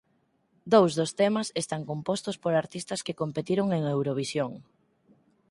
Dous dos temas están compostos por artistas que competiron en Eurovisión.